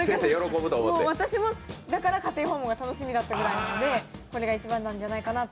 私も、だから家庭訪問が楽しみだったぐらいなのでこれが１位なんじゃないかなと。